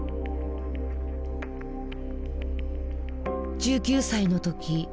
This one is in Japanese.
１９歳のとき